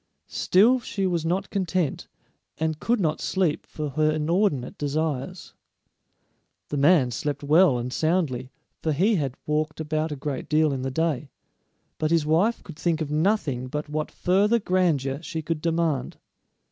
Still she was not content, and could not sleep for her inordinate desires. The man slept well and soundly, for he had walked about a great deal in the day; but his wife could think of nothing but what further grandeur she could demand.